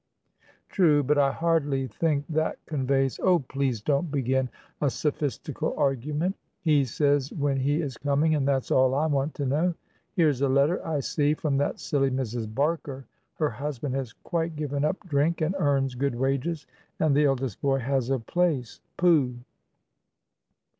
'" "True. But I hardly think that conveys" "Oh, please don't begin a sophistical argument He says when he is coming, and that's all I want to know. Here's a letter, I see, from that silly Mrs. Barkerher husband has quite given up drink, and earns good wages, and the eldest boy has a placepooh!"